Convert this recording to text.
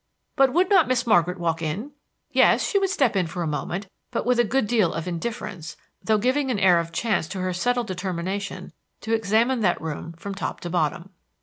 But would not Miss Margaret walk in? Yes, she would step in for a moment, but with a good deal of indifference, though, giving an air of chance to her settled determination to examine that room from top to bottom.